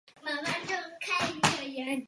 膜荚见血飞是豆科云实属的植物。